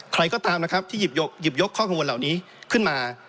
ใครก็ตามนะครับที่หยิบยกข้อมูลเหล่านี้ขึ้นมา